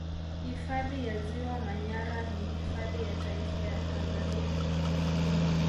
Hifadhi ya Ziwa Manyara ni hifadhi ya Taifa ya Tanzania